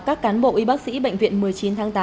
các cán bộ y bác sĩ bệnh viện một mươi chín tháng tám